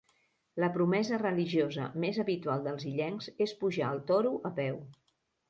La promesa religiosa més habitual dels illencs és pujar el Toro a peu.